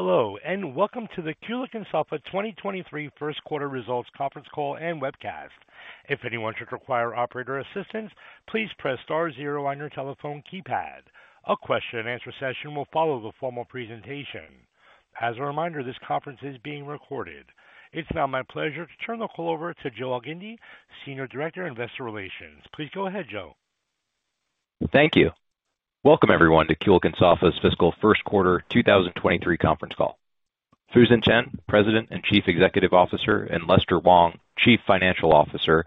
Hello, welcome to the Kulicke & Soffa 2023 first quarter results conference call and webcast. If anyone should require operator assistance, please press * zero on your telephone keypad. A question-and-answer session will follow the formal presentation. As a reminder, this conference is being recorded. It's now my pleasure to turn the call over to Joseph Elgindy, Senior Director, Investor Relations. Please go ahead, Joe. Thank you. Welcome, everyone, to Kulicke & Soffa's fiscal first quarter 2023 conference call. Fusen Chen, President and Chief Executive Officer, and Lester Wong, Chief Financial Officer,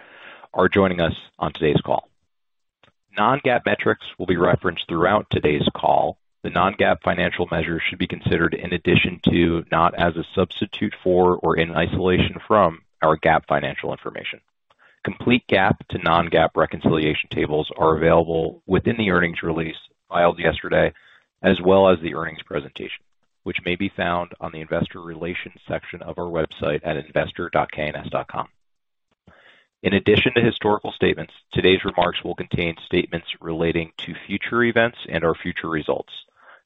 are joining us on today's call. Non-GAAP metrics will be referenced throughout today's call. The non-GAAP financial measures should be considered in addition to, not as a substitute for or in isolation from, our GAAP financial information. Complete GAAP to non-GAAP reconciliation tables are available within the earnings release filed yesterday, as well as the earnings presentation, which may be found on the investor relations section of our website at investor.kns.com. In addition to historical statements, today's remarks will contain statements relating to future events and/or future results.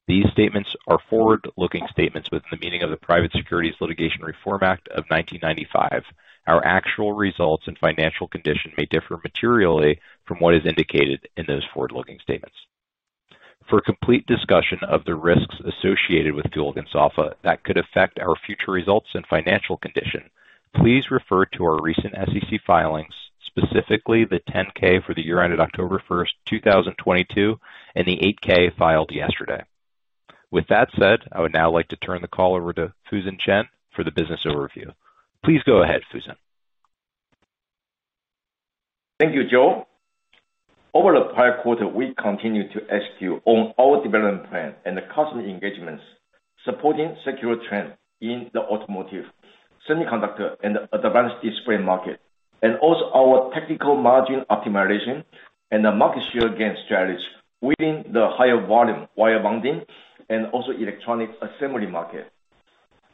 These statements are forward-looking statements within the meaning of the Private Securities Litigation Reform Act of 1995. Our actual results and financial condition may differ materially from what is indicated in those forward-looking statements. For a complete discussion of the risks associated with Kulicke & Soffa that could affect our future results and financial condition, please refer to our recent SEC filings, specifically the 10-K for the year ended October 1, 2022, and the 8-K filed yesterday. With that said, I would now like to turn the call over to Fusen Chen for the business overview. Please go ahead, Fusen. Thank you, Joe. Over the prior quarter, we continued to execute on our development plan and the customer engagements, supporting secular trends in the automotive, semiconductor, and advanced display market. Also our technical margin optimization and the market share gain strategies within the higher volume wire bonding and also electronic assembly market.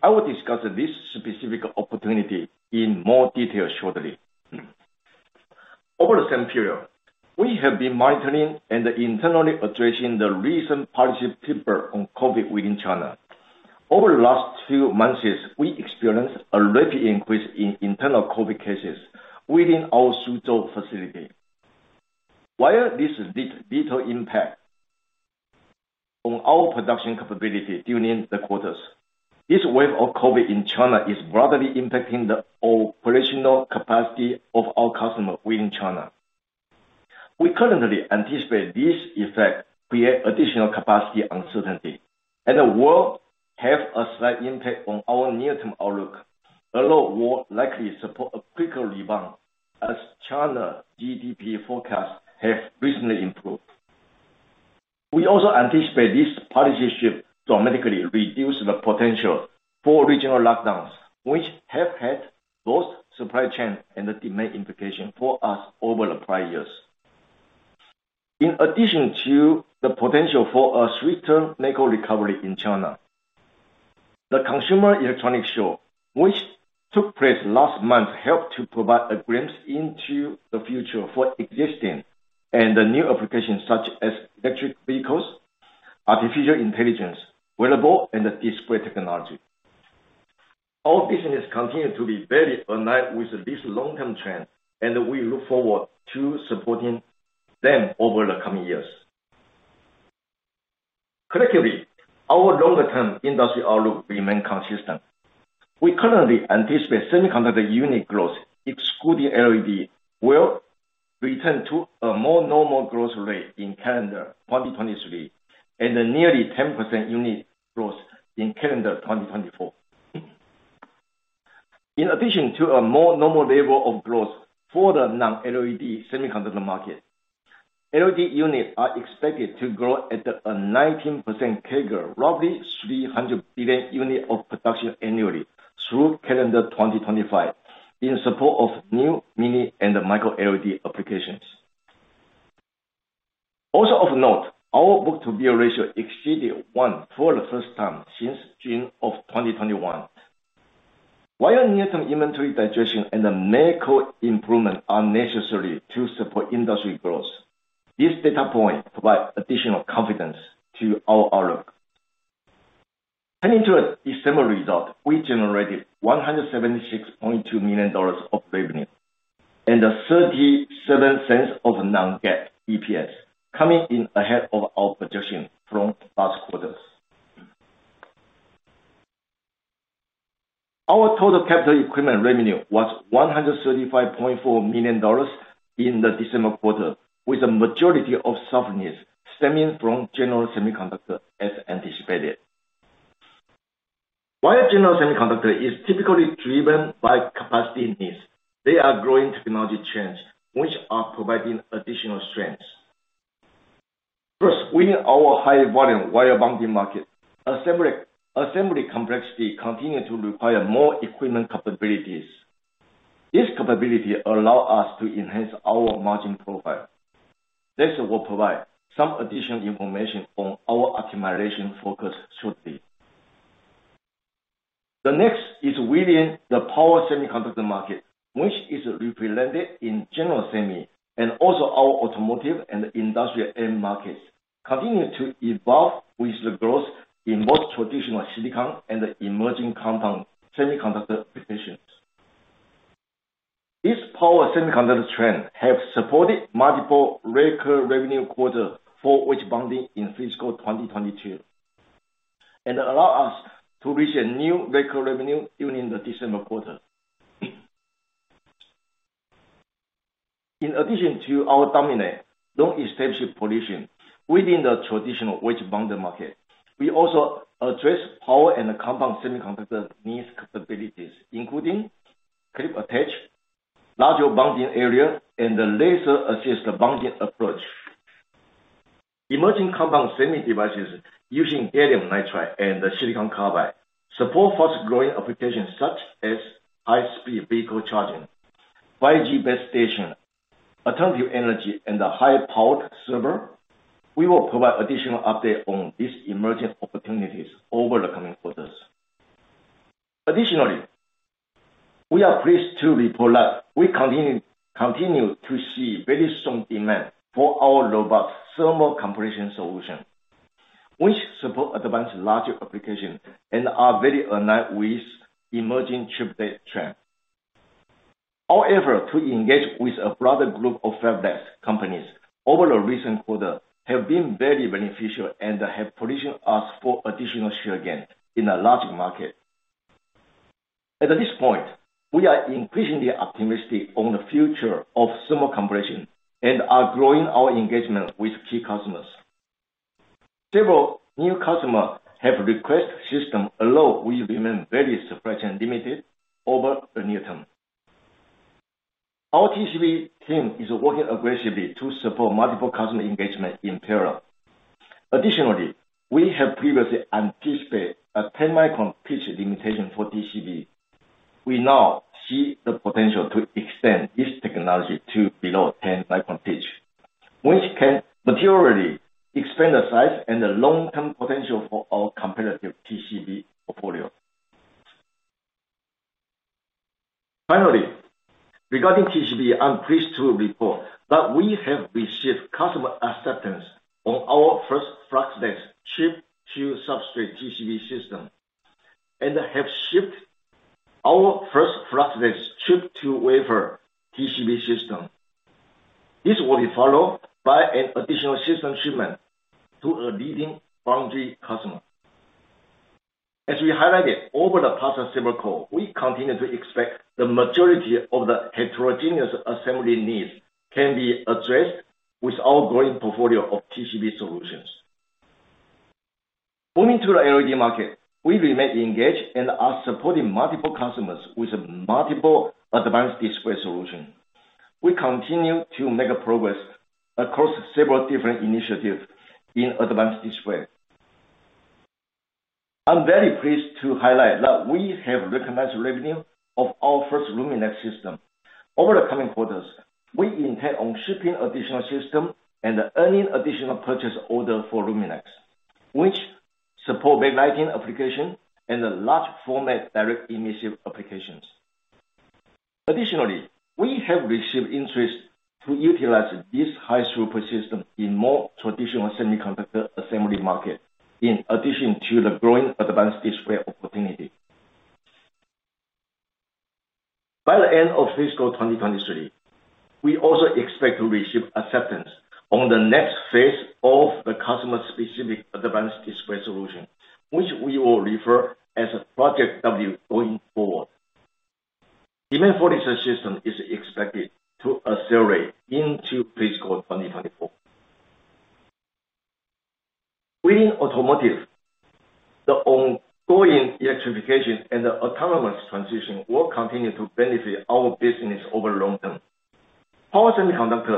I will discuss this specific opportunity in more detail shortly. Over the same period, we have been monitoring and internally addressing the recent policy pivot on COVID within China. Over the last two months, we experienced a rapid increase in internal COVID cases within our Suzhou facility. While this had little impact on our production capability during the quarters, this wave of COVID in China is broadly impacting the operational capacity of our customers within China. We currently anticipate this effect create additional capacity uncertainty. It will have a slight impact on our near-term outlook, although will likely support a quicker rebound as China GDP forecasts have recently improved. We also anticipate this policy shift dramatically reduce the potential for regional lockdowns, which have had both supply chain and demand implications for us over the prior years. In addition to the potential for a swifter macro recovery in China, the Consumer Electronics Show, which took place last month, helped to provide a glimpse into the future for existing and the new applications such as electric vehicles, artificial intelligence, wearable, and display technology. Our business continue to be very aligned with this long-term trend. We look forward to supporting them over the coming years. Collectively, our longer-term industry outlook remain consistent. We currently anticipate semiconductor unit growth, excluding LED, will return to a more normal growth rate in calendar 2023 and nearly 10% unit growth in calendar 2024. In addition to a more normal level of growth for the non-LED semiconductor market, LED units are expected to grow at a 19% CAGR, roughly 300 billion units of production annually through calendar 2025 in support of new mini and micro LED applications. Also of note, our book-to-bill ratio exceeded 1 for the first time since June of 2021. While near-term inventory digestion and macro improvements are necessary to support industry growth, this data point provides additional confidence to our outlook. Heading to December results, we generated $176.2 million of revenue and $0.37 of non-GAAP EPS, coming in ahead of our projection from last quarters. Our total capital equipment revenue was $135.4 million in the December quarter, with the majority of softness stemming from general semiconductor as anticipated. While general semiconductor is typically driven by capacity needs, there are growing technology trends which are providing additional strengths. First, within our high-volume wire bonding market, assembly complexity continue to require more equipment capabilities. This capability allow us to enhance our margin profile. Lester will provide some additional information on our optimization focus shortly. The next is within the power semiconductor market, which is represented in general semi and also our automotive and industrial end markets, continue to evolve with the growth in both traditional silicon and emerging compound semiconductor applications. This power semiconductor trend have supported multiple record revenue quarter for wedge bonding in fiscal 2022, and allow us to reach a new record revenue during the December quarter. In addition to our dominant long-established position within the traditional wedge bonding market, we also address power and compound semiconductor needs capabilities, including clip attach, larger bonding area, and laser-assisted bonding approach. Emerging compound semi devices using Gallium Nitride and Silicon Carbide support fast-growing applications such as high-speed vehicle charging, 5G base station, alternative energy, and high-powered server. We will provide additional update on these emerging opportunities over the coming quarters. Additionally, we are pleased to report that we continue to see very strong demand for our robust Thermal Compression solution, which support advanced larger applications and are very aligned with emerging chiplet trend. Our effort to engage with a broader group of fabless companies over the recent quarter have been very beneficial and have positioned us for additional share gain in a larger market. At this point, we are increasingly optimistic on the future of thermal compression and are growing our engagement with key customers. Several new customer have requested system although we remain very supply chain limited over the near term. Our TCB team is working aggressively to support multiple customer engagement in parallel. Additionally, we have previously anticipated a 10-micron pitch limitation for TCB. We now see the potential to extend this technology to below 10-micron pitch, which can materially expand the size and the long-term potential for our competitive TCB portfolio. Finally, regarding TCB, I'm pleased to report that we have received customer acceptance on our first fluxless chip-to-substrate TCB system, and have shipped our first fluxless chip-to-wafer TCB system. This will be followed by an additional system shipment to a leading foundry customer. As we highlighted over the past several call, we continue to expect the majority of the heterogeneous assembly needs can be addressed with our growing portfolio of TCB solutions. Moving to the LED market, we remain engaged and are supporting multiple customers with multiple advanced display solutions. We continue to make progress across several different initiatives in advanced display. I'm very pleased to highlight that we have recognized revenue of our first LUMINEX system. Over the coming quarters, we intend on shipping additional system and earning additional purchase order for LUMINEX, which support backlighting application and large format direct emission applications. Additionally, we have received interest to utilize this high throughput system in more traditional semiconductor assembly market, in addition to the growing advanced display opportunity. By the end of fiscal 2023, we also expect to receive acceptance on the next phase of the customer-specific advanced display solution, which we will refer as Project W going forward. Demand for this system is expected to accelerate into fiscal 2024. Within automotive, the ongoing electrification and autonomous transition will continue to benefit our business over long term. Power semiconductor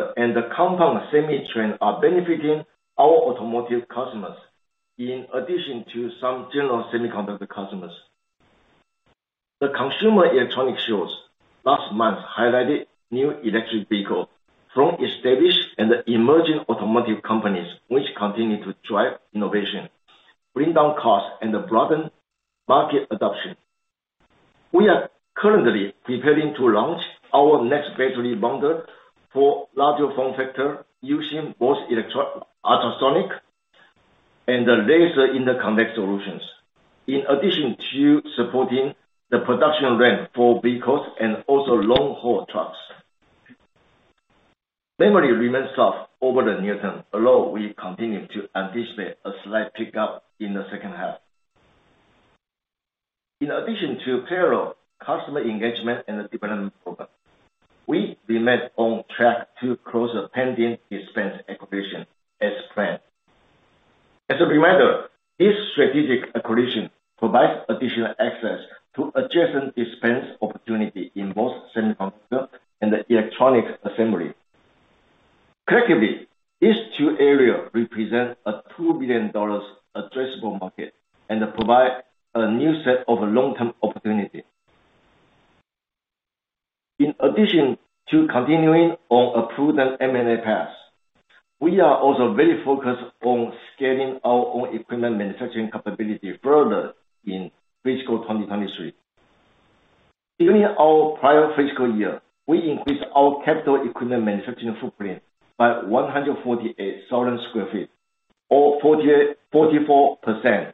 and the compound semi trend are benefiting our automotive customers, in addition to some general semiconductor customers. The Consumer Electronics Show last month highlighted new electric vehicle from established and emerging automotive companies, which continue to drive innovation, bring down costs, and broaden market adoption. We are currently preparing to launch our next battery bonder for larger form factor using both electro ultrasonic and laser interconnect solutions. In addition to supporting the production ramp for vehicles and also long-haul trucks. Memory remains soft over the near term, although we continue to anticipate a slight pickup in the second half. In addition to parallel customer engagement and development program, we remain on track to close the pending Dispense acquisition as planned. As a reminder, this strategic acquisition provides additional access to adjacent dispense opportunity in both semiconductor and electronics assembly. Collectively, these two areas represent a $2 billion addressable market. Provide a new set of long-term opportunity. In addition to continuing on a prudent M&A path, we are also very focused on scaling our own equipment manufacturing capability further in fiscal 2023. During our prior fiscal year, we increased our capital equipment manufacturing footprint by 148,000 sq ft or 44%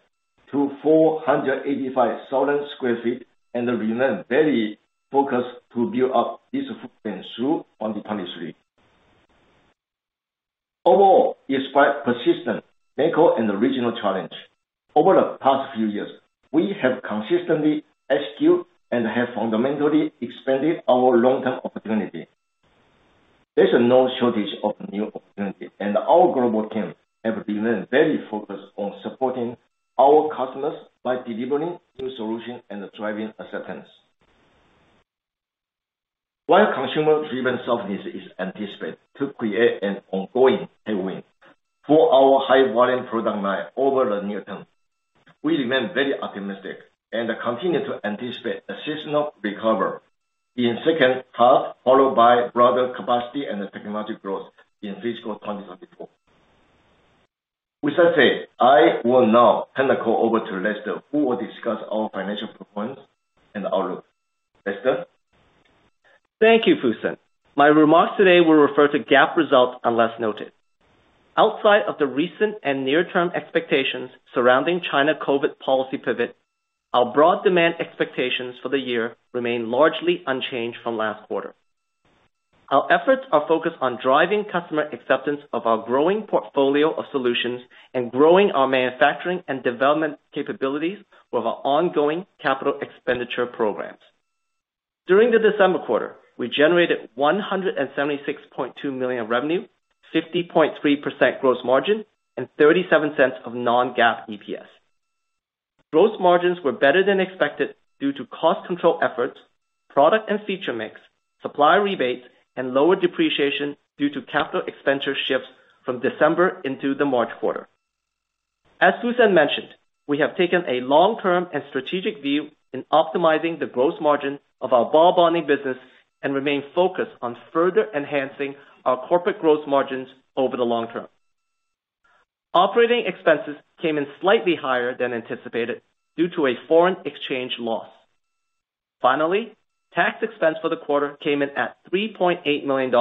to 485,000 sq ft, and remain very focused to build up this footprint through 2023. Overall, despite persistent macro and regional challenge, over the past few years, we have consistently executed and have fundamentally expanded our long-term opportunity. There's no shortage of new opportunity, and our global team have been very focused on supporting our customers by delivering new solution and driving acceptance. While consumer-driven softness is anticipated to create an ongoing tailwind for our high volume product line over the near term, we remain very optimistic and continue to anticipate a seasonal recover in second half, followed by broader capacity and technological growth in fiscal 2024. With that said, I will now turn the call over to Lester, who will discuss our financial performance and outlook. Lester? Thank you, Fusen. My remarks today will refer to GAAP results unless noted. Outside of the recent and near-term expectations surrounding China COVID policy pivot, our broad demand expectations for the year remain largely unchanged from last quarter. Our efforts are focused on driving customer acceptance of our growing portfolio of solutions and growing our manufacturing and development capabilities with our ongoing capital expenditure programs. During the December quarter, we generated $176.2 million revenue, 50.3% gross margin, and $0.37 of non-GAAP EPS. Gross margins were better than expected due to cost control efforts, product and feature mix, supplier rebates, and lower depreciation due to capital expenditure shifts from December into the March quarter. As Fusen mentioned, we have taken a long-term and strategic view in optimizing the gross margin of our ball bonding business and remain focused on further enhancing our corporate gross margins over the long term. Operating expenses came in slightly higher than anticipated due to a foreign exchange loss. Tax expense for the quarter came in at $3.8 million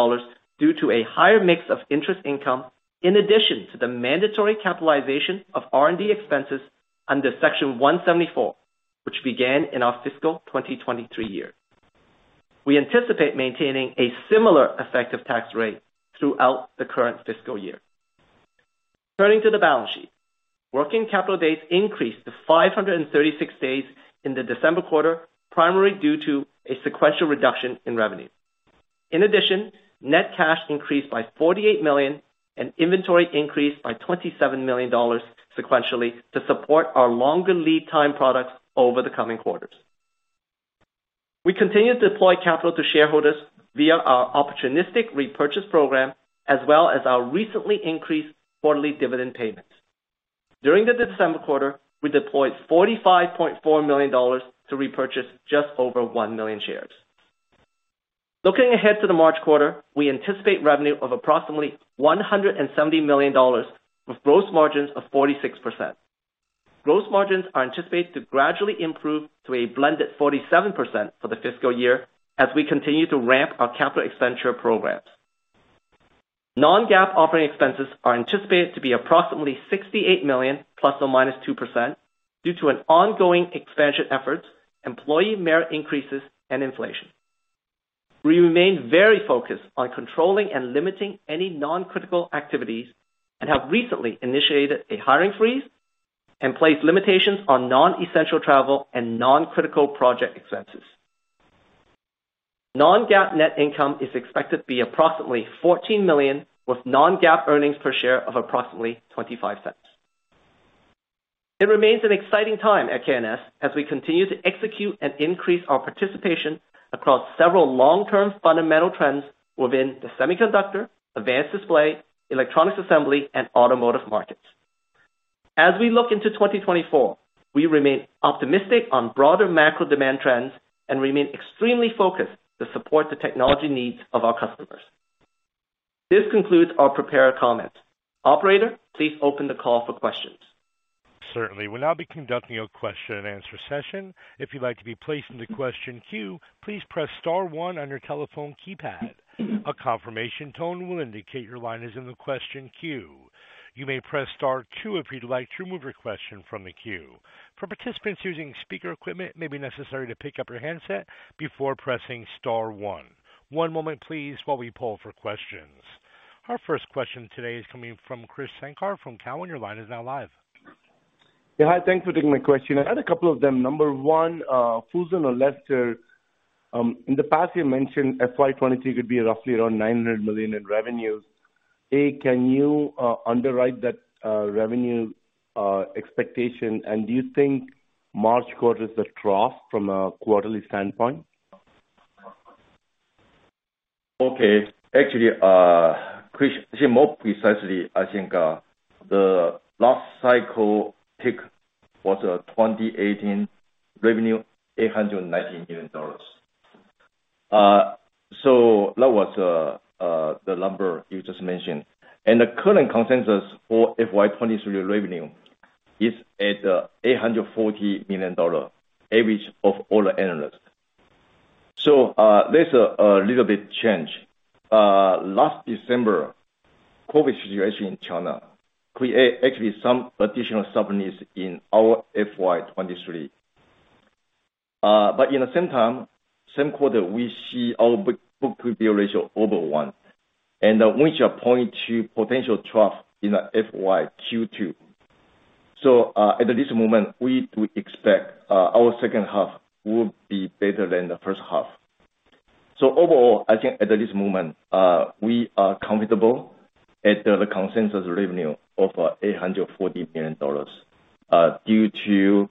due to a higher mix of interest income in addition to the mandatory capitalization of R&D expenses under Section 174, which began in our fiscal 2023 year. We anticipate maintaining a similar effective tax rate throughout the current fiscal year. Turning to the balance sheet. Working capital days increased to 536 days in the December quarter, primarily due to a sequential reduction in revenue. Net cash increased by $48 million, and inventory increased by $27 million sequentially to support our longer lead time products over the coming quarters. We continue to deploy capital to shareholders via our opportunistic repurchase program, as well as our recently increased quarterly dividend payments. During the December quarter, we deployed $45.4 million to repurchase just over 1 million shares. Looking ahead to the March quarter, we anticipate revenue of approximately $170 million with gross margins of 46%. Gross margins are anticipated to gradually improve to a blended 47% for the fiscal year as we continue to ramp our capital expenditure programs. Non-GAAP operating expenses are anticipated to be approximately $68 million, ±2%, due to an ongoing expansion efforts, employee merit increases, and inflation. We remain very focused on controlling and limiting any non-critical activities and have recently initiated a hiring freeze and placed limitations on non-essential travel and non-critical project expenses. Non-GAAP net income is expected to be approximately $14 million, with non-GAAP earnings per share of approximately $0.25. It remains an exciting time at K&S as we continue to execute and increase our participation across several long-term fundamental trends within the semiconductor, advanced display, electronics assembly, and automotive markets. As we look into 2024, we remain optimistic on broader macro demand trends and remain extremely focused to support the technology needs of our customers. This concludes our prepared comments. Operator, please open the call for questions. Certainly. We'll now be conducting a question-and-answer session. If you'd like to be placed in the question queue, please press * one on your telephone keypad. A confirmation tone will indicate your line is in the question queue. You may press * two if you'd like to remove your question from the queue. For participants using speaker equipment, it may be necessary to pick up your handset before pressing * one. One moment please while we poll for questions. Our first question today is coming from Krish Sankar from Cowen. Your line is now live. Yeah, hi. Thanks for taking my question. I had a couple of them. Number one, Fusen or Lester, in the past, you mentioned FY23 could be roughly around $900 million in revenues. Can you underwrite that revenue expectation? Do you think March quarter is a trough from a quarterly standpoint? Actually, Krish, more precisely, I think the last cycle peak was 2018 revenue $819 million. That was the number you just mentioned. The current consensus for FY23 revenue is at $840 million, average of all analysts. There's a little bit change. Last December, COVID situation in China create actually some additional softness in our FY23. In the same time, same quarter, we see our book-to-bill ratio over one, and which point to potential trough in the FY 2022. At this moment, we do expect our second half will be better than the first half. Overall, I think at this moment, we are comfortable at the consensus revenue of $840 million, due to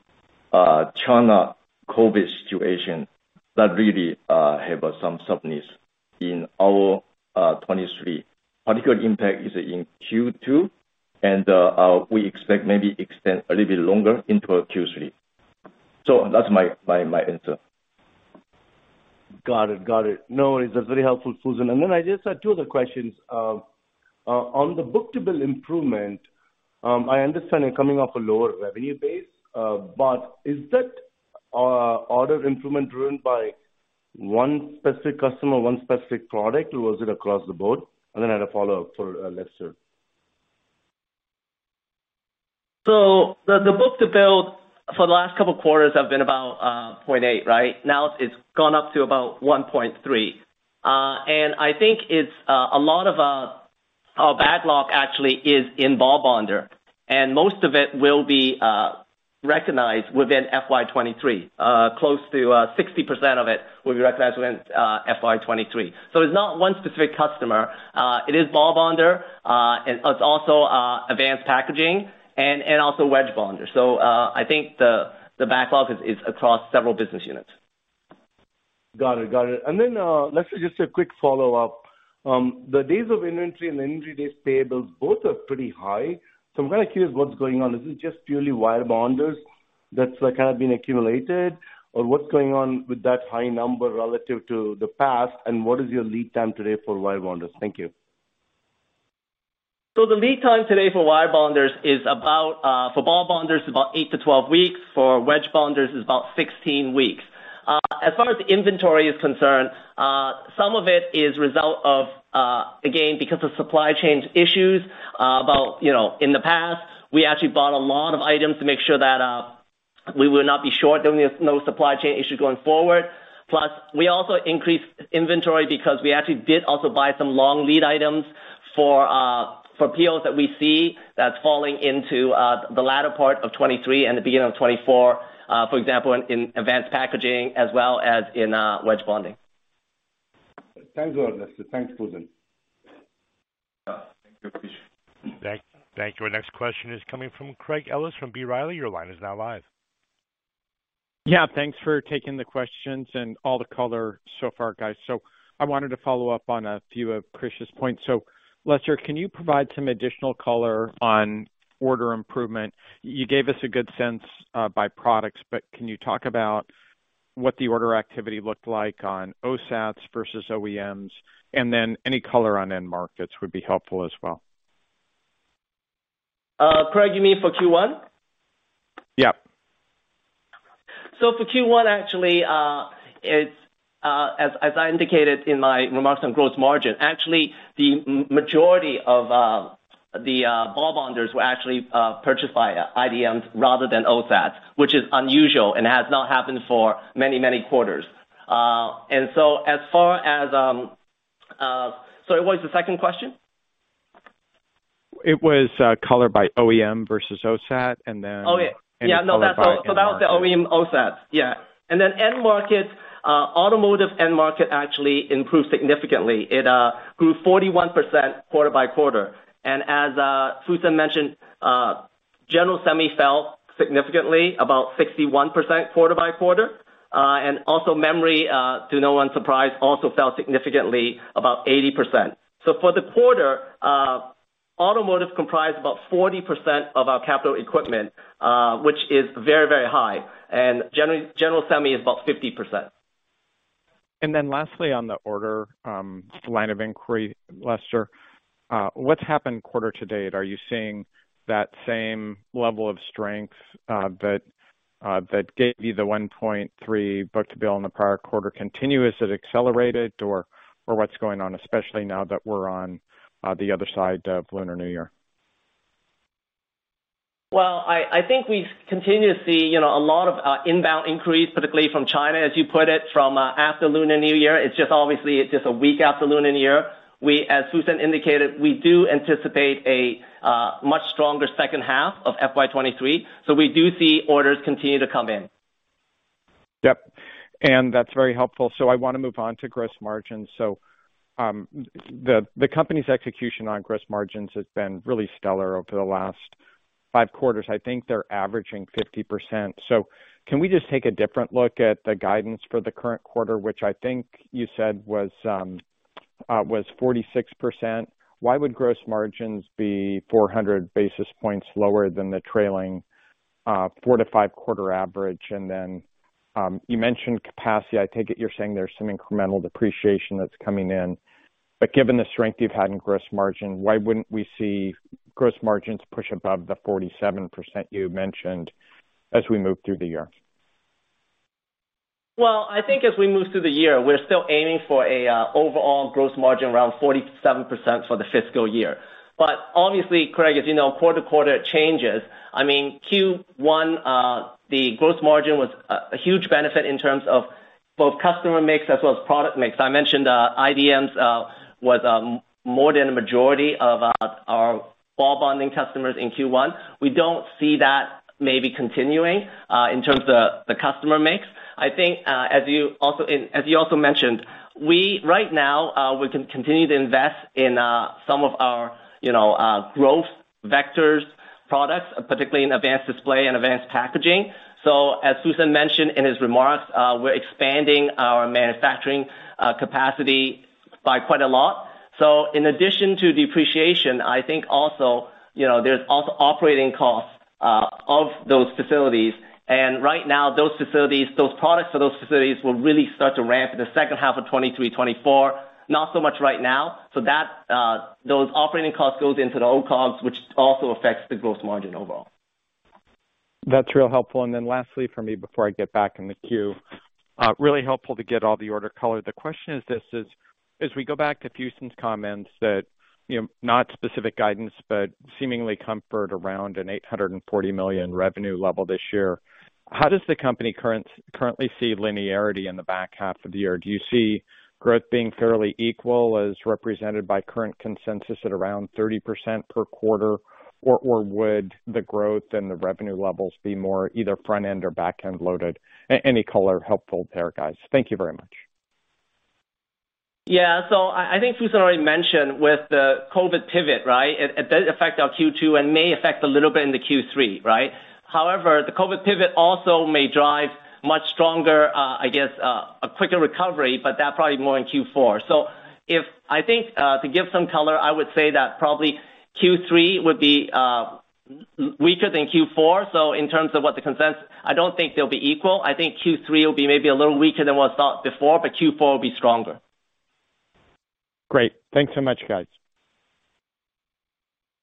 China COVID situation that really have some softness in our 2023. Particular impact is in Q2 and we expect maybe extend a little bit longer into Q3. That's my, my answer. Got it. Got it. No, it's very helpful, Fusen. I just had two other questions. On the book-to-bill improvement, I understand you're coming off a lower revenue base. Is that order improvement driven by one specific customer, one specific product, or was it across the board? I had a follow-up for Lester. The book-to-bill for the last couple of quarters have been about 0.8, right? Now it's gone up to about 1.3. I think it's a lot of our backlog actually is in ball bonder, and most of it will be recognized within FY23. Close to 60% of it will be recognized within FY23. It's not one specific customer. It is ball bonder, and it's also advanced packaging and also wedge bonder. I think the backlog is across several business units. Got it. Got it. Lester, just a quick follow-up. The days of inventory and the inventory days payables both are pretty high. I'm kinda curious what's going on. Is it just purely wire bonders that's kind of been accumulated? What's going on with that high number relative to the past, and what is your lead time today for wire bonders? Thank you. The lead time today for wire bonders is about, for ball bonders, about 8-12 weeks, for wedge bonders is about 16 weeks. As far as the inventory is concerned, some of it is result of, again, because of supply chain issues, you know, in the past, we actually bought a lot of items to make sure that we will not be short, then there's no supply chain issue going forward. Plus, we also increased inventory because we actually did also buy some long lead items for POs that we see that's falling into the latter part of 2023 and the beginning of 2024, for example, in advanced packaging as well as in wedge bonding. Thanks a lot, Lester. Thanks, Fusen. Thank you, Krish. thank you. Our next question is coming from Craig Ellis from B. Riley. Your line is now live. Yeah, thanks for taking the questions and all the color so far, guys. I wanted to follow up on a few of Krish's points. Lester, can you provide some additional color on order improvement? You gave us a good sense by products, but can you talk about what the order activity looked like on OSATs versus OEMs, and then any color on end markets would be helpful as well. Craig, you mean for Q1? Yeah. For Q1 actually, it's as I indicated in my remarks on gross margin, actually the majority of the ball bonders were actually purchased by IDMs rather than OSAT, which is unusual and has not happened for many quarters. As far as... Sorry, what was the second question? It was, color by OEM versus OSAT. Oh, yeah. Yeah, no, that's all. any color by end market. That was the OEM OSAT. Yeah. End markets, automotive end market actually improved significantly. It grew 41% quarter-over-quarter. As Fusen mentioned, general semi fell significantly, about 61% quarter-over-quarter. Also memory, to no one's surprise, also fell significantly, about 80%. For the quarter, automotive comprised about 40% of our capital equipment, which is very, very high. General semi is about 50%. Lastly, on the order line of inquiry, Lester, what's happened quarter to date? Are you seeing that same level of strength that gave you the 1.3 book-to-bill in the prior quarter continue? Is it accelerated or what's going on, especially now that we're on the other side of Lunar New Year? Well, I think we continue to see, you know, a lot of inbound increase, particularly from China, as you put it, from after Lunar New Year. It's just obviously it's just a week after Lunar New Year. As Fusen indicated, we do anticipate a much stronger second half of FY 2023. We do see orders continue to come in. Yep. That's very helpful. I wanna move on to gross margins. The company's execution on gross margins has been really stellar over the last Five quarters, I think they're averaging 50%. Can we just take a different look at the guidance for the current quarter, which I think you said was 46%? Why would gross margins be 400 basis points lower than the trailing 4 to 5 quarter average? You mentioned capacity. I take it you're saying there's some incremental depreciation that's coming in. Given the strength you've had in gross margin, why wouldn't we see gross margins push above the 47% you mentioned as we move through the year? I think as we move through the year, we're still aiming for a overall gross margin around 47% for the fiscal year. Obviously, Craig, as you know, quarter to quarter it changes. I mean, Q1, the gross margin was a huge benefit in terms of both customer mix as well as product mix. I mentioned IDMs was more than a majority of our ball bonding customers in Q1. We don't see that maybe continuing in terms of the customer mix. I think as you also mentioned, we right now we can continue to invest in some of our, you know, growth vectors products, particularly in advanced display and advanced packaging. As Fusen mentioned in his remarks, we're expanding our manufacturing capacity by quite a lot. In addition to depreciation, I think also, you know, there's also operating costs of those facilities. Right now those facilities, those products for those facilities will really start to ramp in the second half of 2023, 2024. Not so much right now. That, those operating costs goes into the OpEx costs, which also affects the gross margin overall. That's real helpful. Lastly for me, before I get back in the queue, really helpful to get all the order color. The question is this is, as we go back to Fusen's comments that, you know, not specific guidance, but seemingly comfort around an $840 million revenue level this year, how does the company currently see linearity in the back half of the year? Do you see growth being fairly equal as represented by current consensus at around 30% per quarter, or would the growth and the revenue levels be more either front end or back end loaded? any color helpful there, guys. Thank you very much. Yeah. I think Fusen already mentioned with the COVID pivot, right? It does affect our Q2 and may affect a little bit in the Q3, right? However, the COVID pivot also may drive much stronger, I guess, a quicker recovery, but that probably more in Q4. I think, to give some color, I would say that probably Q3 would be weaker than Q4. In terms of what the consensus, I don't think they'll be equal. I think Q3 will be maybe a little weaker than what's thought before, but Q4 will be stronger. Great. Thanks so much, guys.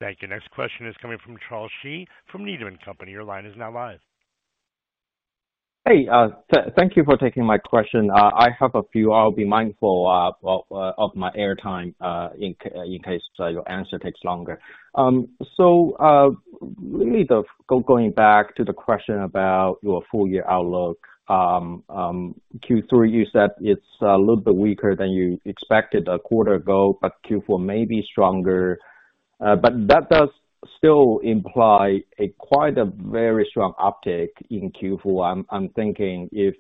Thank you. Next question is coming from Charles Shi from Needham & Company. Your line is now live. Hey, thank you for taking my question. I have a few. I'll be mindful of my airtime in case your answer takes longer. Maybe going back to the question about your full year outlook. Q3, you said it's a little bit weaker than you expected a quarter ago, but Q4 may be stronger. That does still imply a quite a very strong uptick in Q4. I'm thinking if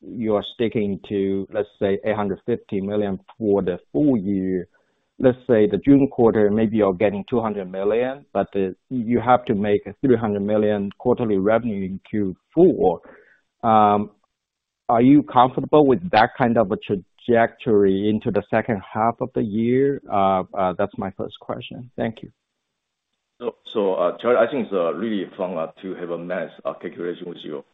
you are sticking to, let's say, $850 million for the full year, let's say the June quarter, maybe you're getting $200 million, but you have to make a $300 million quarterly revenue in Q4. Are you comfortable with that kind of a trajectory into the second half of the year? That's my first question. Thank you. Charles, I think it's really important to have a math calculation with you.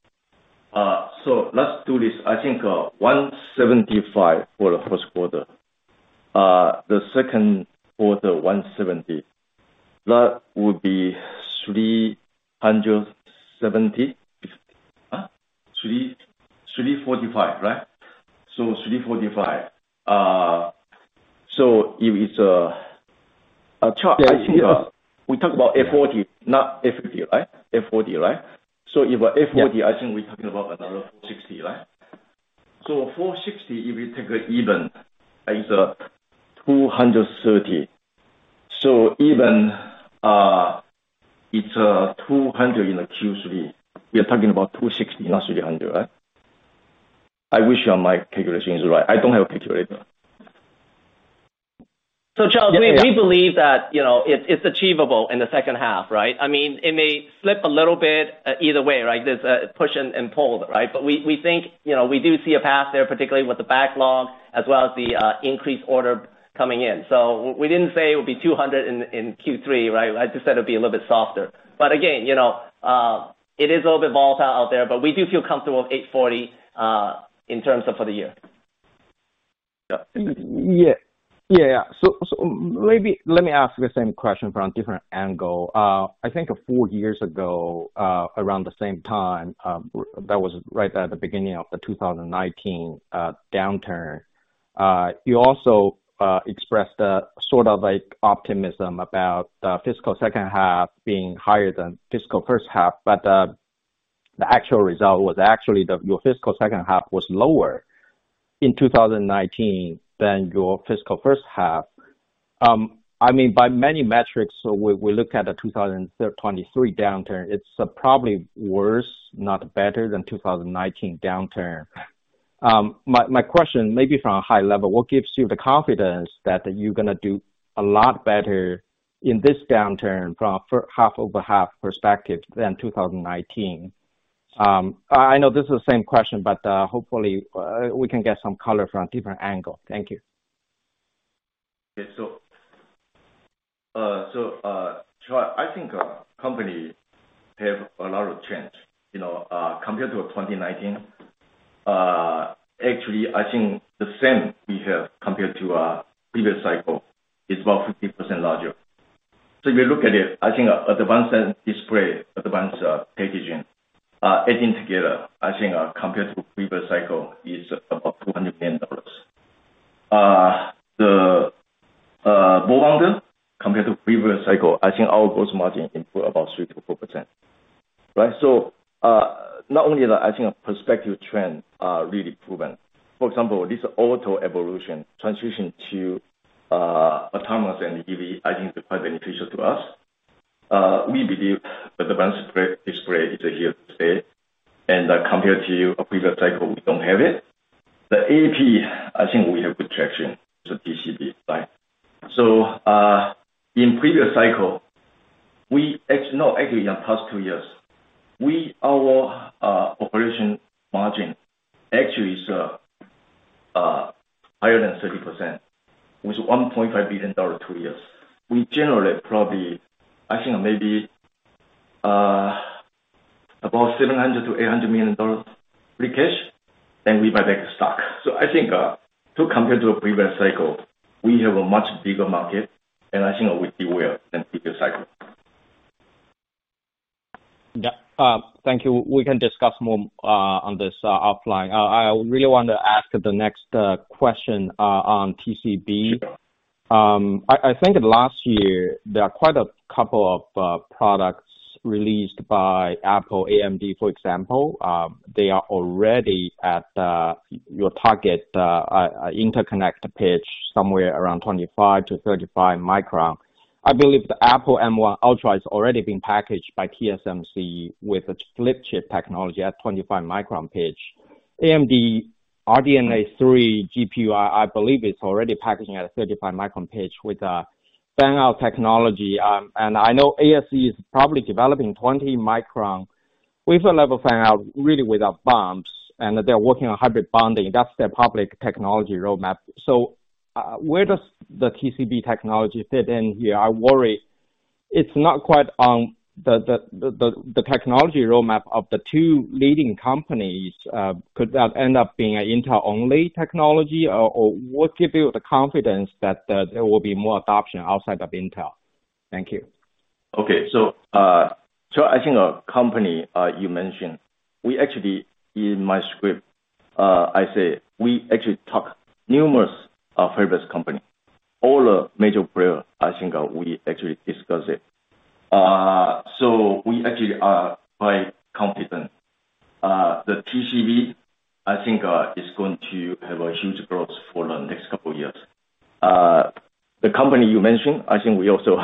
Let's do this. I think $175 for the first quarter. The second quarter, $170. That would be $370. Huh? $345, right? $345. If it's a chart- Yeah. We talk about 840, not 850, right? 840, right? If 840 Yeah. I think we're talking about another $460, right? Four sixty, if you take it even, is $230. Even, it's $200 in the Q3. We are talking about $260, not $300, right? I wish my calculations right. I don't have a calculator. Charles, we believe that, you know, it's achievable in the second half, right? I mean, it may slip a little bit either way, right? There's a push and pull, right? We think, you know, we do see a path there, particularly with the backlog as well as the increased order coming in. We didn't say it would be 200 in Q3, right? I just said it'd be a little bit softer. Again, you know, it is a little bit volatile out there, but we do feel comfortable with 840 in terms of for the year. Yeah. Yeah. Maybe let me ask the same question from different angle. I think four years ago, around the same time, that was right at the beginning of the 2019 downturn, you also expressed a sort of like optimism about the fiscal second half being higher than fiscal first half. The actual result was actually your fiscal second half was lower in 2019 than your fiscal first half. I mean, by many metrics, we look at the 2023 downturn, it's probably worse, not better than 2019 downturn. My question maybe from a high level, what gives you the confidence that you're gonna do a lot better in this downturn from half over half perspective than 2019? I know this is the same question, but hopefully, we can get some color from different angle. Thank you. Charles, I think our company have a lot of change, you know, compared to 2019. Actually, I think the same we have compared to our previous cycle is about 50% larger. If you look at it, I think advanced display, advanced packaging, adding together, I think, compared to previous cycle is about $200 million. The move on then, compared to previous cycle, I think our gross margin improved about 3%-4%, right? Not only that, I think our prospective trend are really proven. For example, this auto evolution transition to autonomous and EV, I think is quite beneficial to us. We believe that advanced display is here to stay. Compared to a previous cycle, we don't have it. The AP, I think we have good traction to TCB, right? In previous cycle, we actually in the past two years, we, our, operation margin actually is higher than 30%, with $1.5 billion two years. We generate probably, I think maybe, about $700 million-$800 million free cash, then we buy back the stock. I think, to compare to a previous cycle, we have a much bigger market, and I think we will in future cycle. Yeah. Thank you. We can discuss more on this offline. I really want to ask the next question on TCB. I think last year, there are quite a couple of products released by Apple AMD, for example. They are already at your target interconnect pitch somewhere around 25-35 micron. I believe the Apple M1 Ultra is already being packaged by TSMC with a flip chip technology at 25 micron pitch. AMD RDNA 3 GPU, I believe it's already packaging at a 35 micron pitch with fan-out technology. And I know ASE is probably developing 20 micron with a level fan-out really without bumps, and they're working on hybrid bonding. That's their public technology roadmap. Where does the TCB technology fit in here? I worry it's not quite on the technology roadmap of the two leading companies. Could that end up being an Intel-only technology? What gives you the confidence that there will be more adoption outside of Intel? Thank you. Okay. I think our company, you mentioned, we actually, in my script, I say we actually talk numerous, fabless company. All the major player, I think, we actually discuss it. We actually are quite confident. The TCB, I think, is going to have a huge growth for the next couple of years. The company you mentioned, I think we also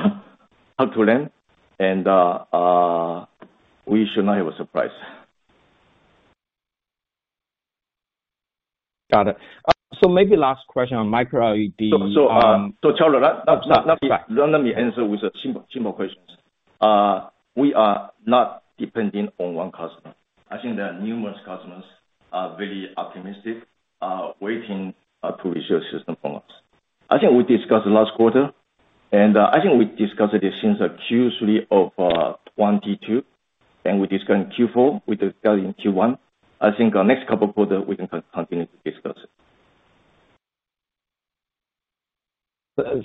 talk to them and, we should not have a surprise. Got it. Maybe last question on micro LED. Charles, let me answer with a simple questions. We are not depending on 1 customer. I think there are numerous customers are very optimistic, waiting to receive system from us. I think we discussed last quarter, I think we discussed it since Q3 of 2022, and we discussed in Q4, we discussed in Q1. I think our next couple quarter, we can continue to discuss it.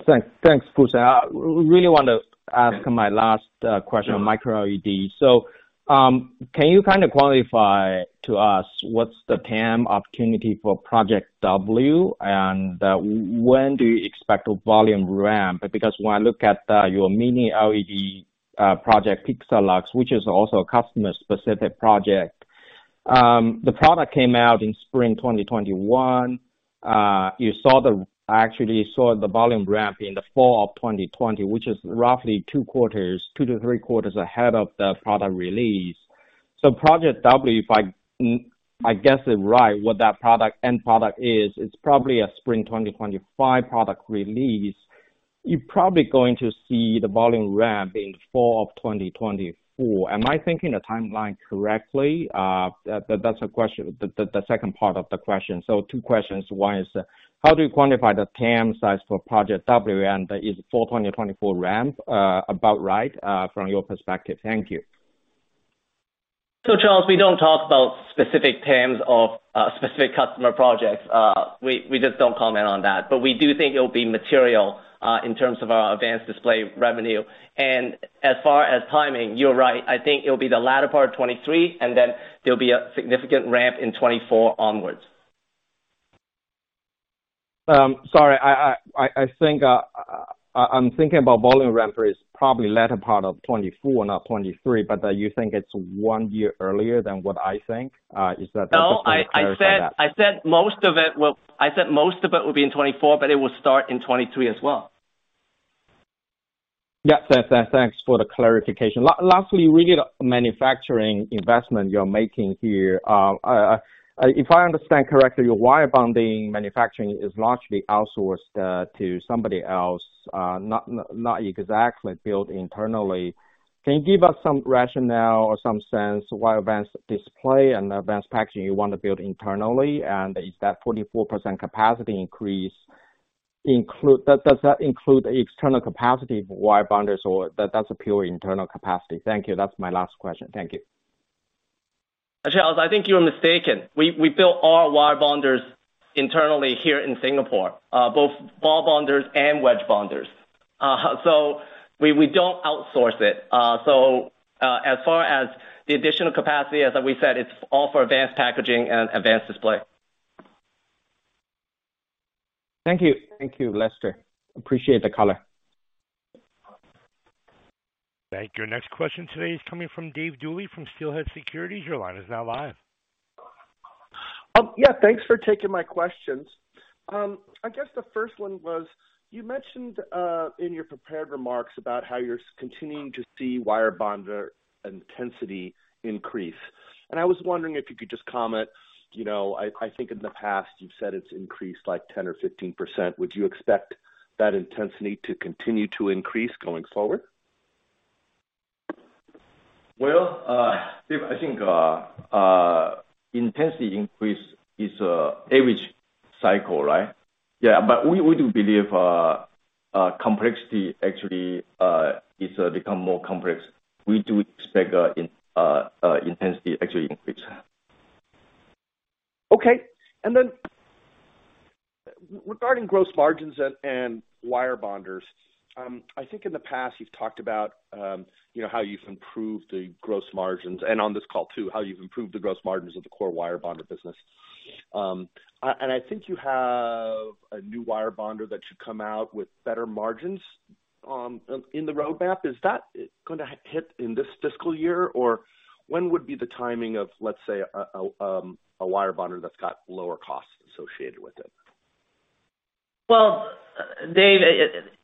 Thanks. Thanks, Fusen. I really wanna ask my last question on micro LED. Can you kind of qualify to us what's the TAM opportunity for Project W? When do you expect to volume ramp? Because when I look at your mini LED project, PIXALUX, which is also a customer-specific project, the product came out in spring 2021. I actually saw the volume ramp in the fall of 2020, which is roughly two quarters, 2-3 quarters ahead of the product release. Project W, if I guessed it right, what that product, end product is, it's probably a spring 2025 product release. You're probably going to see the volume ramp in fall of 2024. Am I thinking the timeline correctly? that's a question, the second part of the question. Two questions. One is, how do you quantify the TAM size for Project W, and is fall 2024 ramp, about right, from your perspective? Thank you. Charles, we don't talk about specific terms of specific customer projects. We just don't comment on that. We do think it'll be material in terms of our advanced display revenue. As far as timing, you're right. I think it'll be the latter part of 2023, and then there'll be a significant ramp in 2024 onwards. Sorry, I think I'm thinking about volume ramp is probably latter part of 2024, not 2023. You think it's 1 year earlier than what I think? Is that? No. Just to clarify that. I said most of it will be in 2024, but it will start in 2023 as well. Yeah. Thanks for the clarification. Lastly, regarding manufacturing investment you're making here, if I understand correctly, your wire bonding manufacturing is largely outsourced to somebody else, not exactly built internally. Can you give us some rationale or some sense why advanced display and advanced packaging you want to build internally? Is that 44% capacity increase Does that include external capacity wire bonders, or that's a pure internal capacity? Thank you. That's my last question. Thank you. Charles, I think you're mistaken. We build all wire bonders internally here in Singapore, both ball bonders and wedge bonders. We don't outsource it. As far as the additional capacity, as we said, it's all for advanced packaging and advanced display. Thank you. Thank you, Lester. Appreciate the color. Thank you. Next question today is coming from David Duley from Steelhead Securities. Your line is now live. Yeah, thanks for taking my questions. I guess the first one was, you mentioned in your prepared remarks about how you're continuing to see wire bonder intensity increase. I was wondering if you could just comment, you know, I think in the past you've said it's increased like 10% or 15%. Would you expect that intensity to continue to increase going forward? Well, Dave, I think intensity increase is average cycle, right? Yeah. We do believe complexity actually is become more complex. We do expect intensity actually increase. Regarding gross margins and wire bonders, I think in the past you've talked about, you know, how you've improved the gross margins and on this call too, how you've improved the gross margins of the core wire bonder business. I think you have a new wire bonder that should come out with better margins in the roadmap. Is that gonna hit in this fiscal year? Or when would be the timing of, let's say, a wire bonder that's got lower costs associated with it? Well, Dave,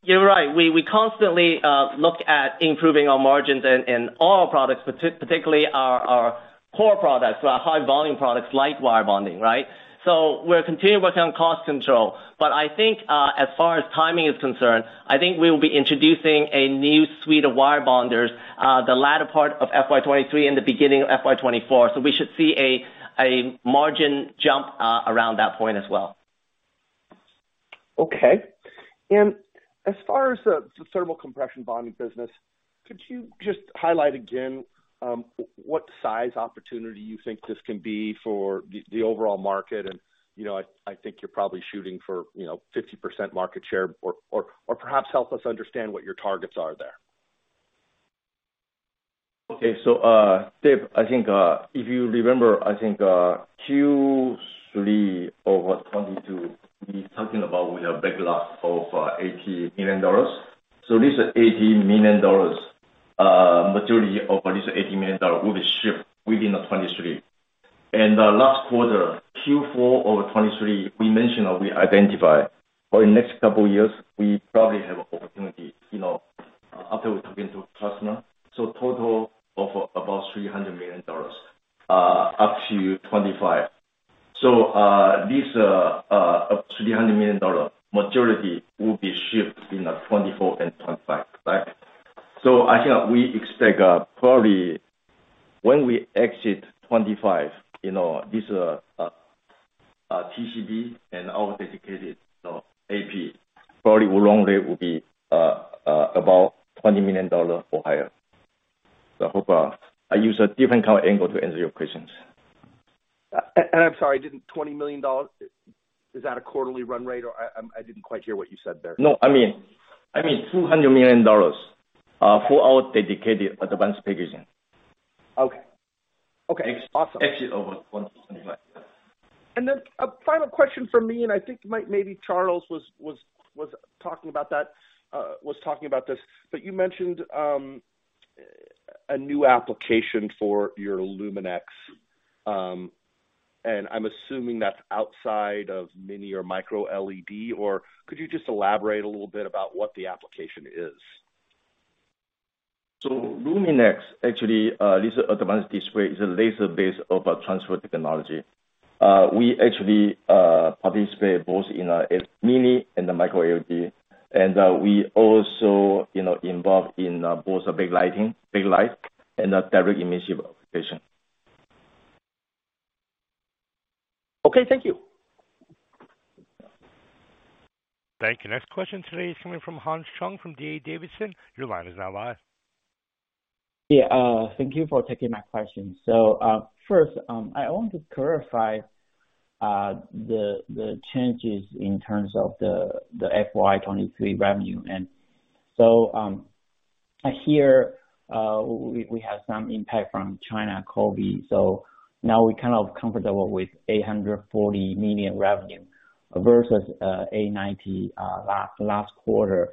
you're right. We constantly look at improving our margins in all our products, particularly our core products, our high volume products like wire bonding, right? We're continuing working on cost control. I think as far as timing is concerned, I think we will be introducing a new suite of wire bonders the latter part of FY 2023 and the beginning of FY 2024. We should see a margin jump around that point as well. Okay. As far as the Thermal Compression bonding business, could you just highlight again, what size opportunity you think this can be for the overall market? You know, I think you're probably shooting for, you know, 50% market share or perhaps help us understand what your targets are there. Okay. Dave, I think, if you remember, I think, Q3 of 2022, we talking about we have backlogs of $80 million. This $80 million, majority of this $80 million dollar will be shipped within 2023. Last quarter, Q4 of 2023, we mentioned that we identify for the next couple years, we probably have opportunity, you know, after we talking to customer, total of about $300 million up to 2025. This $300 million dollar majority will be shipped in 2024 and 2025. Right? I think we expect, probably when we exit 2025, you know, this TCB and our dedicated, you know, AP probably run rate will be about $20 million or higher. I hope, I use a different kind of angle to answer your questions. I'm sorry, didn't $20 million, is that a quarterly run rate or I didn't quite hear what you said there? No, I mean $200 million for our dedicated advanced packaging. Okay. Okay. Awesome. Exit over 25, yeah. A final question from me, and I think maybe Charles was talking about this, but you mentioned a new application for your LUMINEX, and I'm assuming that's outside of mini LED or micro LED. Or could you just elaborate a little bit about what the application is? LUMINEX actually, this advanced display is a laser-based laser transfer technology. We actually participate both in mini and the micro LED. We also, you know, involved in both backlighting and a direct emission application. Okay. Thank you. Thank you. Next question today is coming from Han Chou from D.A. Davidson. Your line is now live. Thank you for taking my question. First, I want to clarify the changes in terms of the FY 2023 revenue. I hear we have some impact from China COVID. Now we're kind of comfortable with $840 million revenue versus $890 last quarter.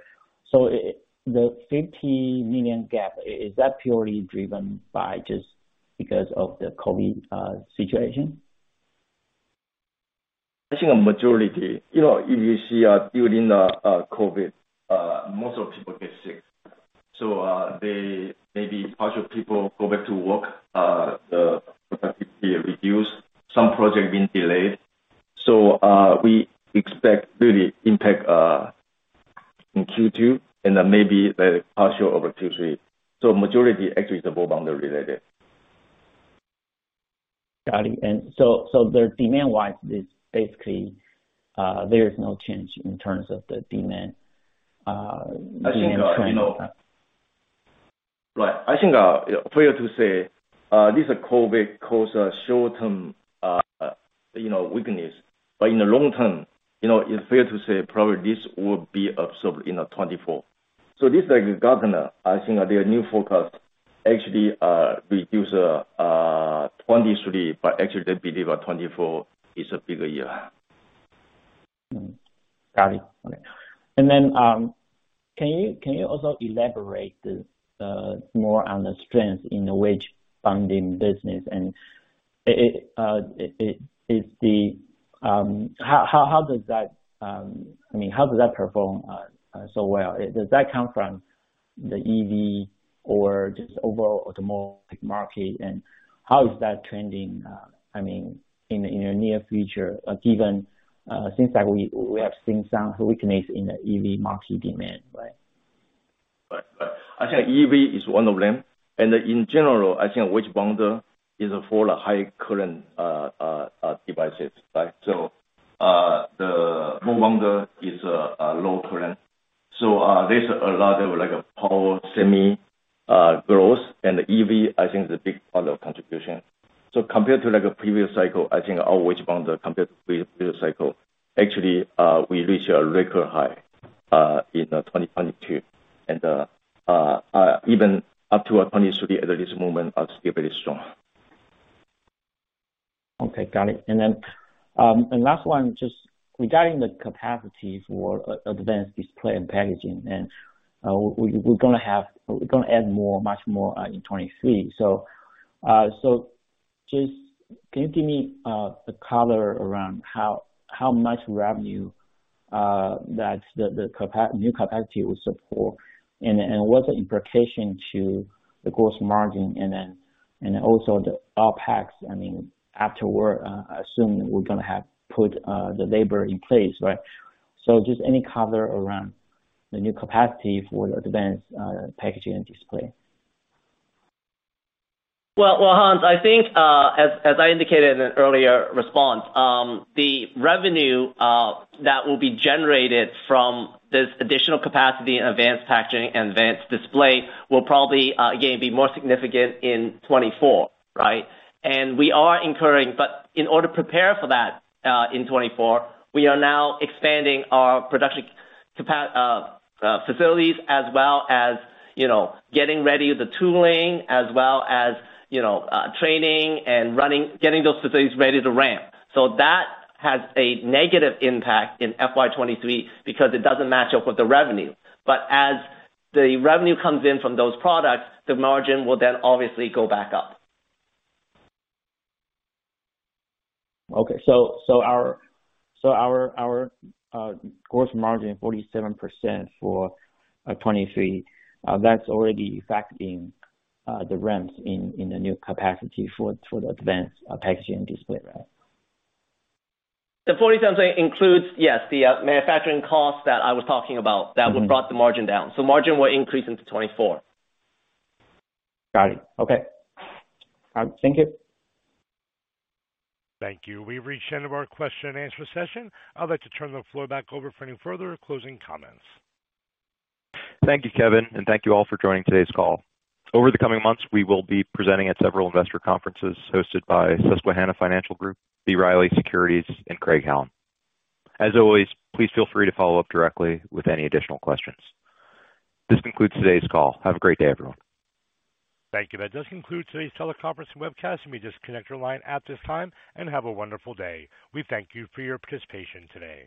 The $50 million gap, is that purely driven by just because of the COVID situation? I think a majority. You know, if you see, during the COVID, most of people get sick. They may be partial people go back to work, the productivity reduce, some projects being delayed. We expect really impact in Q2 and then maybe the partial over Q3. Majority actually is the move on the related. Got it. So the demand-wise is basically, there is no change in terms of the demand. I think, you know. Right. I think, fair to say, this COVID caused a short-term, you know, weakness. In the long term, you know, it's fair to say probably this would be absorbed in 2024. This is like governor. Their new forecast actually, reduce, 2023, but actually they believe that 2024 is a bigger year. Mm-hmm. Got it. Okay. Can you also elaborate more on the strength in the wedge bonding business? How does that, I mean how does that perform so well? Does that come from the EV or just overall automotive market? How is that trending, I mean, in the near future, given since that we have seen some weakness in the EV market demand, right? Right. Right. I think EV is one of them. In general, I think wedge bonder is for the high current devices, right? The move on the is a low current. There's a lot of like a power semi growth. The EV, I think, is a big part of contribution. Compared to like a previous cycle, I think our wedge bonder compared to pre-previous cycle, actually, we reached a record high in 2022. Even up to our at this moment are still very strong. Okay. Got it. Last one, just regarding the capacity for advanced display and packaging, we're gonna add more, much more in 2023. Just can you give me the color around how much revenue that the new capacity will support? What's the implication to the gross margin then, also the OpEx, I mean, after we're assuming we're gonna have put the labor in place, right? Just any color around the new capacity for the advanced packaging and display. Well, well, Han, I think, as I indicated in an earlier response, the revenue that will be generated from this additional capacity in advanced packaging and advanced display will probably again, be more significant in 2024, right? In order to prepare for that, in 2024, we are now expanding our production facilities as well as, you know, getting ready the tooling as well as, you know, training and running, getting those facilities ready to ramp. That has a negative impact in FY 2023 because it doesn't match up with the revenue. As the revenue comes in from those products, the margin will then obviously go back up. Our gross margin 47% for 2023, that's already factoring the ramps in the new capacity for the advanced packaging and display, right? The 47 includes, yes, the manufacturing costs that I was talking about that would brought the margin down. Margin will increase into 2024. Got it. Okay. Thank you. Thank you. We've reached the end of our question and answer session. I'd like to turn the floor back over for any further closing comments. Thank you, Kevin, and thank you all for joining today's call. Over the coming months, we will be presenting at several investor conferences hosted by Susquehanna Financial Group, B. Riley Securities and Craig-Hallum. As always, please feel free to follow up directly with any additional questions. This concludes today's call. Have a great day, everyone. Thank you. That does conclude today's teleconference and webcast. You may disconnect your line at this time. Have a wonderful day. We thank you for your participation today.